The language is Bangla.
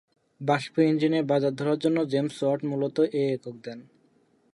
বাষ্পীয় ইঞ্জিনের বাজার ধরার জন্য জেমস ওয়াট মূলত এ একক দেন।